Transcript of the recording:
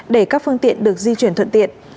để các phương tiện được di chuyển thuận tiện